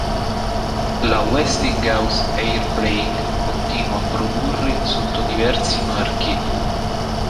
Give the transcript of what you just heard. La Westinghouse Air Brake continua a produrre sotto diversi marchi.